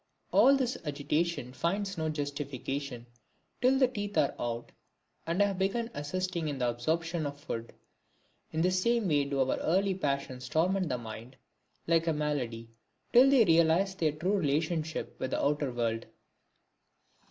All this agitation finds no justification till the teeth are out and have begun assisting in the absorption of food. In the same way do our early passions torment the mind, like a malady, till they realise their true relationship with the outer world.